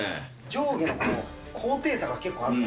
上下の高低差が結構ある。